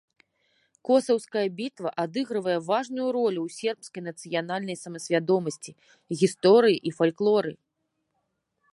Косаўская бітва адыгрывае важную ролю ў сербскай нацыянальнай самасвядомасці, гісторыі і фальклоры.